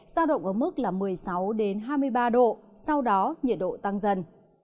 giao động ở mức một mươi sáu đến hai mươi ba độ sau đó nhiệt độ tăng dần